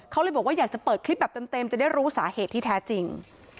เขาเลยบอกว่าอยากจะเปิดคลิปแบบเต็มจะได้รู้สาเหตุที่แท้จริง